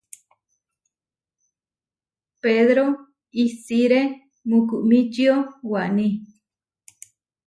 Pedro isiré mukumičio waní.